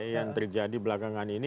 yang terjadi belakangan ini